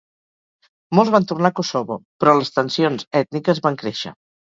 Molts van tornar a Kosovo, però les tensions ètniques van créixer.